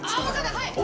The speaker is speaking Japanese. はい！